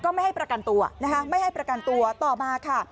ไม่ให้ประกันตัวนะคะไม่ให้ประกันตัวต่อมาค่ะ